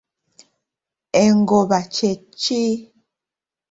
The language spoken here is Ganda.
Engoba kye ki?